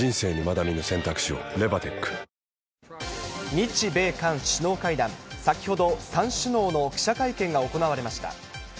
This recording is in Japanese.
日米韓首脳会談、先ほど、３首脳の記者会見が行われました。